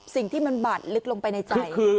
สิ่งที่มันบาดลึกลงไปในใจคือ